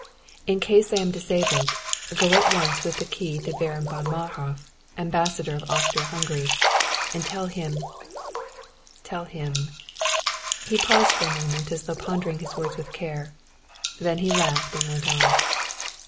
In case I am disabled, go at once with the key to Baron von Marhof, Ambassador of Austria Hungary, and tell him tell him " He had paused for a moment as though pondering his words with care; then he laughed and went on.